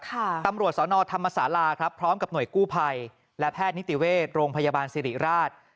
ตำรวจสอนอธรรมศาลาครับพร้อมกับหน่วยกู้ภัยและแพทย์นิติเวชโรงพยาบาลสิริราช